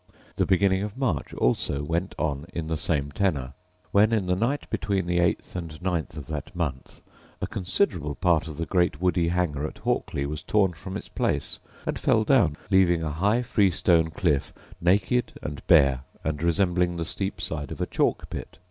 The beginning of March also went on in the same tenor; when, in the night between the 8th and 9th of that month, a considerable part of the great woody hanger at Hawkley was torn from its place, and fell down, leaving a high freestone cliff naked and bare, and resembling the steep side of a chalk pit.